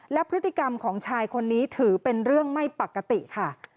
และพฤติกรรมของชายคนนี้ถือเป็นเรื่องไม่ปกติค่ะ